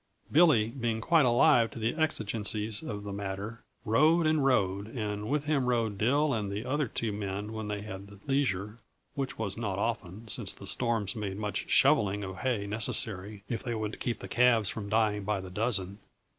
Billy, being quite alive to the exigencies of the matter, rode and rode, and with him rode Dill and the other two men when they had the leisure which was not often, since the storms made much "shoveling" of hay necessary if they would keep the calves from dying by the dozen.